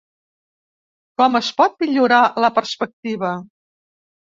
Com es pot millorar la perspectiva?